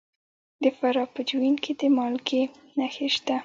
د فراه په جوین کې د مالګې نښې شته.